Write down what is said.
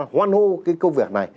hoan hô cái công việc này